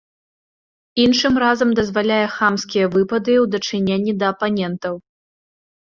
Іншым разам дазваляе хамскія выпады ў дачыненні да апанентаў.